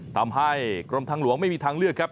ทำให้กรมทางหลวงไม่มีทางเลือกครับ